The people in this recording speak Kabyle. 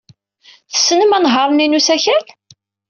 Tessnem anehhaṛ-nni n usakal?